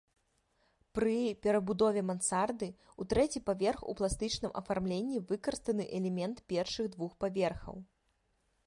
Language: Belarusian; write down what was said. Пры перабудове мансарды ў трэці паверх у пластычным афармленні выкарыстаны элементы першых двух паверхаў.